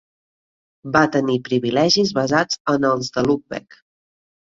Va tenir privilegis basats en els de Lübeck.